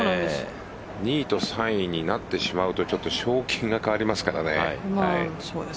２位と３位になってしまうとちょっと賞金が変わりますからね。